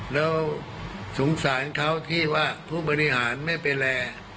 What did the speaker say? แล้วสงสารเขาที่ว่าผู้บริหารไม่ไปแล